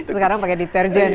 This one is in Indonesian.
sekarang pakai deterjen ya